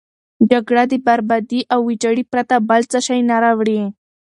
جګړه د بربادي او ویجاړي پرته بل څه نه شي راوړی.